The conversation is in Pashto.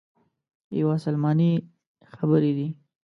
یوه سلماني خبرې دي.